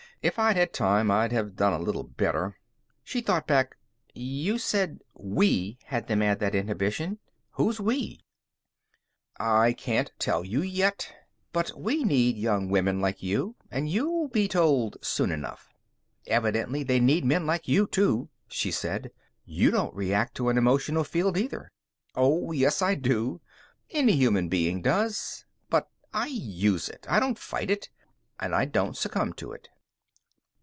"If I'd had time, I'd have done a little better." She thought back. "You said, 'We had them add that inhibition.' Who's we?" "I can't tell you yet. But we need young women like you, and you'll be told soon enough." "Evidently they need men like you, too," she said. "You don't react to an emotional field, either." "Oh, yes, I do. Any human being does. But I use it; I don't fight it. And I don't succumb to it."